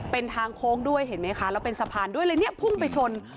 เป็นทางโค้งด้วยเห็นไหมคะแล้วเป็นสะพานด้วยเลยเนี่ยพุ่งไปชน